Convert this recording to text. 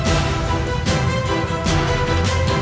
saya akan menjaga kebenaran raden